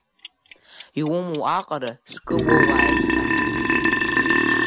Иумоу аҟара шәкы уоуааит, ҳәа.